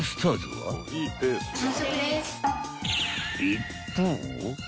［一方］